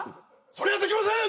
それはできません！